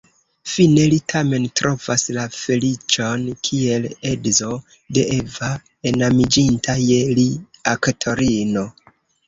Fine li tamen trovas la feliĉon kiel edzo de Eva, enamiĝinta je li aktorino.